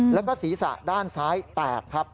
แล้วก็ศีรษะด้านซ้ายแตกครับ